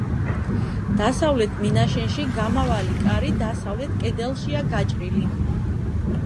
დასავლეთ მინაშენში გამავალი კარი დასავლეთ კედელშია გაჭრილი.